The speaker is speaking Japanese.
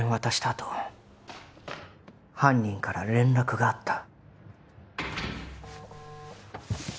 あと犯人から連絡があった